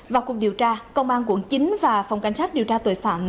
vào cuộc điều tra công an quận chín và phòng cảnh sát điều tra tội phạm